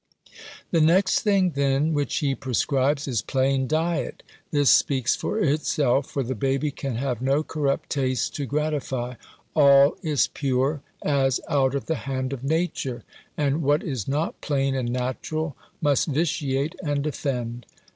The next thing, then, which he prescribes, is plain diet. This speaks for itself, for the baby can have no corrupt taste to gratify: all is pure, as out of the hand of Nature; and what is not plain and natural, must vitiate and offend.